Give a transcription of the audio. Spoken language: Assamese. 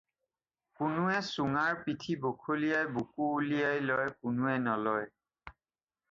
কোনোৱে চুঙাৰ পিঠি বখলিয়াই বুকু উলিয়াই লয়, কোনোৱে নলয়।